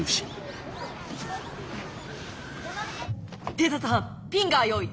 偵察班ピンガー用意。